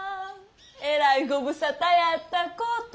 えらいご無沙汰やったこと。